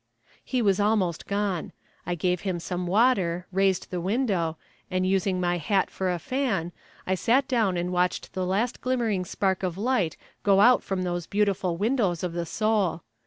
He was almost gone. I gave him some water, raised the window, and using my hat for a fan, I sat down and watched the last glimmering spark of light go out from those beautiful windows of the soul.